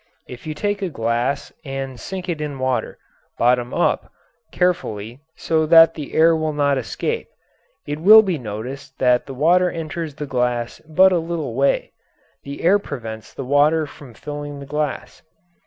If you take a glass and sink it in water, bottom up, carefully, so that the air will not escape, it will be noticed that the water enters the glass but a little way: the air prevents the water from filling the glass.